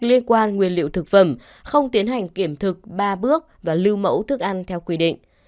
liên quan nguyên liệu thực phẩm không tiến hành kiểm thực ba bước và lưu mẫu thức ăn theo quy định